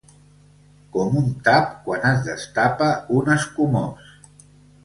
Com un tap quan es destapa un escumós.